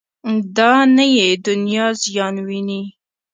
دا نه یې دنیا زیان وویني.